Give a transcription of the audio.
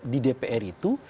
di dpr itu